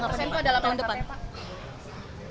rasio utang dalam tahun depan